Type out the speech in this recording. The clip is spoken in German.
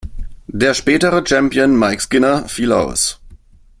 Der spätere Champion Mike Skinner fiel aus.